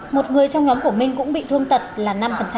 một người trong nhóm của minh cũng bị thương tật là năm